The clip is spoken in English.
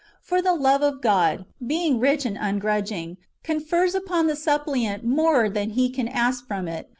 For the love of God, being rich and ungrudging, confers upon the suppliant more than he can ask from it.